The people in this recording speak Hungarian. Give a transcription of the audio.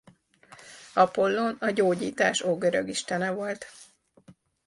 Apollón a gyógyítás ógörög istene volt.